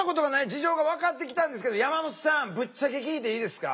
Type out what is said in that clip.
事情が分かってきたんですけど山本さんぶっちゃけ聞いていいですか？